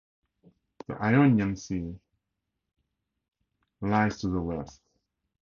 The Ionian Sea lies to the west.